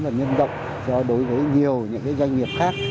và nhân rộng cho đối với nhiều những cái doanh nghiệp khác